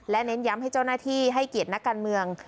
และเน้นย้ำให้เจ้าหน้าที่ให้เกียรตินักการเมือง